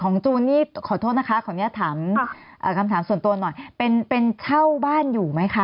จูนนี่ขอโทษนะคะขออนุญาตถามคำถามส่วนตัวหน่อยเป็นเช่าบ้านอยู่ไหมคะ